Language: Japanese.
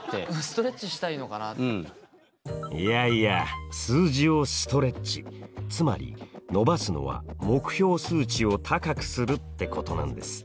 いやいや数字をストレッチつまり伸ばすのは目標数値を高くするってことなんです。